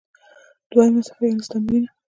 دوهمه صفحه: یعنی ستا مړینه.